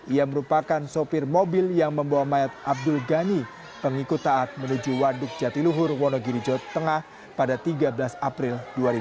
ia merupakan sopir mobil yang membawa mayat abdul ghani pengikut taat menuju waduk jatiluhur wonogirijo tengah pada tiga belas april dua ribu dua puluh